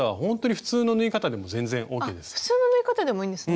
普通の縫い方でもいいんですね。